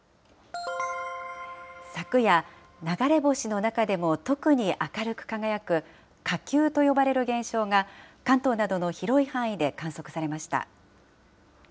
昨夜、流れ星の中でも特に明るく輝く、火球と呼ばれる現象が、関東などの広い範囲で観測されました。